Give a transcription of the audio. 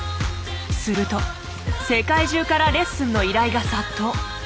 すると世界中からレッスンの依頼が殺到。